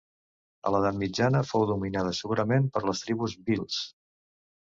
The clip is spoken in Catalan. A l'edat mitjana fou dominada segurament per les tribus bhils.